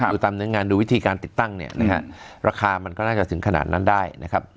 ดูตามเนื้องานดูวิธีการติดตั้งเนี่ยนะฮะราคามันก็น่าจะถึงขนาดนั้นได้นะครับ